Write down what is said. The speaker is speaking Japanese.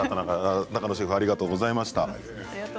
中野シェフありがとうございました。